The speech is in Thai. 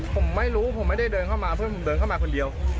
ผมไม่รู้ผมไม่ได้เดินเข้ามาเพื่อนผมเดินเข้ามาคนเดียว